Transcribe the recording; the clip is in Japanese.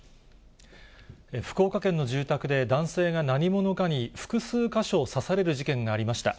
福岡県の住宅で、男性が何者かに複数箇所を刺される事件がありました。